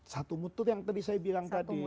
satu mut itu yang tadi saya bilang tadi